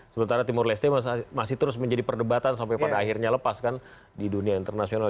sementara timur leste masih terus menjadi perdebatan sampai pada akhirnya lepas kan di dunia internasional